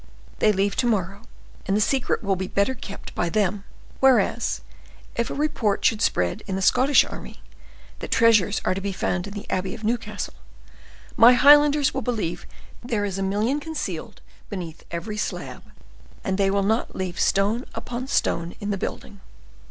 They leave to morrow, and the secret will be better kept by them; whereas, if a report should be spread in the Scottish army, that treasures are to be found in the abbey of Newcastle, my Highlanders will believe there is a million concealed beneath every slab, and they will not leave stone upon stone in the building."